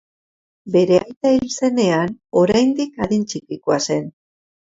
Bere aita hil zenean, oraindik adin txikikoa zen.